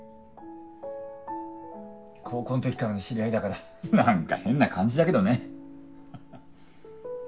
高校ん時からの知り合いだからなんか変な感じだけどね。